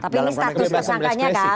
tapi ini status tersangkanya kan